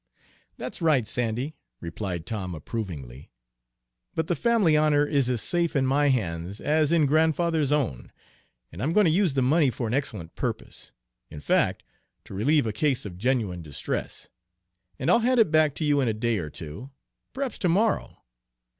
"That's right, Sandy," replied Tom approvingly; "but the family honor is as safe in my hands as in grandfather's own, and I'm going to use the money for an excellent purpose, in fact to relieve a case of genuine distress; and I'll hand it back to you in a day or two, perhaps to morrow.